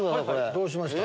どうしました？